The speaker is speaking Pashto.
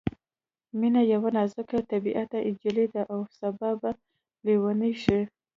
مينه یوه نازک طبعیته نجلۍ ده او سبا به ليونۍ شي